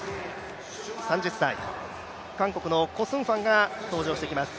３０歳、韓国のコ・スンフアンが登場してきます。